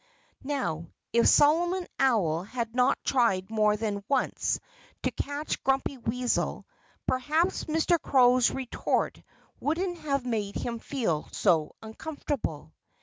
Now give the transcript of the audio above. Now, if Solomon Owl had not tried more than once to catch Grumpy Weasel perhaps Mr. Crow's retort wouldn't have made him feel so uncomfortable.